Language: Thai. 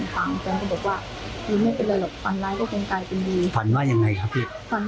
ฝันหน้าฝันข้างหน้าหรือ